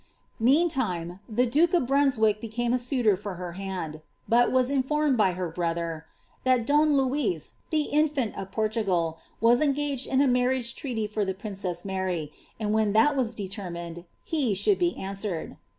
Sleantime, the duke of Brunswick became a suitor for her hand, but was informed by her brother ^ t!iat Dou Louis, the infant of Portugal, was engaged in a marriage treaty for the princess Mary, and, when that was determined, he should be answer ed."